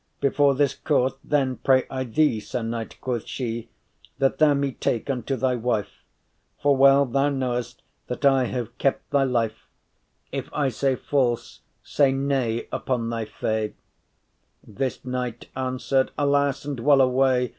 Before this court then pray I thee, Sir Knight,” Quoth she, “that thou me take unto thy wife, For well thou know’st that I have kept* thy life. *preserved If I say false, say nay, upon thy fay.”* *faith This knight answer’d, “Alas, and well away!